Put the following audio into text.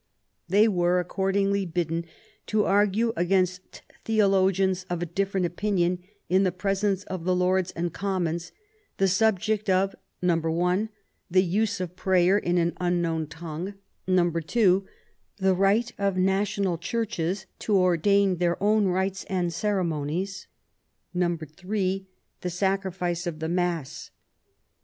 They were accord ingly bidden to argue against theologians of a different opinion, in the presence of the Lords and Commons, the subjects of (i) the use of prayer in an unknown tongue ; (2) the right of national Churches to ordain their own rites and ceremonies ; (3) the sacrifice of the Mass.